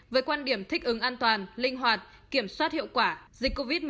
với quan điểm thích ứng an toàn linh hoạt kiểm soát hiệu quả dịch covid một mươi chín